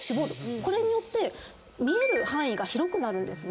これによって見える範囲が広くなるんですね。